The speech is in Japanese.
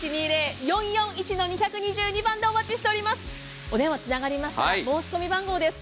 ０１２０‐４４１‐２２２番でお待ちしております。